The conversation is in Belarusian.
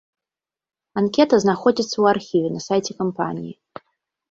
Анкета знаходзіцца ў архіве на сайце кампаніі.